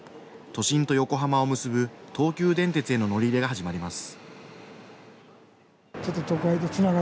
都心と横浜を結ぶ東急電鉄への乗り入れが始まります。